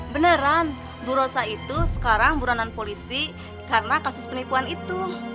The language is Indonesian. beneran bu rosa itu sekarang buronan polisi karena kasus penipuan itu